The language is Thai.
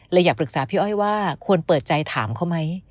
อยากปรึกษาพี่อ้อยว่าควรเปิดใจถามเขาไหม